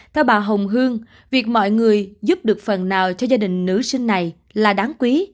theo bà hồng hương việc mọi người giúp được phần nào cho gia đình nữ sinh này là đáng quý